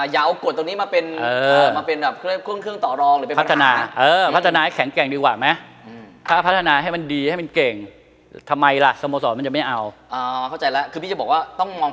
อย่าเอากฎตรงนี้มาเป็นเครื่องต่อรอง